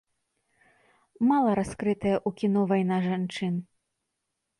Мала раскрытая ў кіно вайна жанчын.